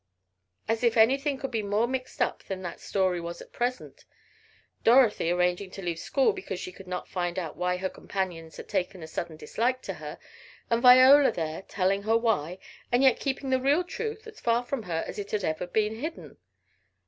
As if anything could be more mixed than that story was at present! Dorothy arranging to leave school because she could not find out why her companions had taken a sudden dislike to her, and Viola there telling her why, and yet keeping the real truth as far from her as it had ever been hidden.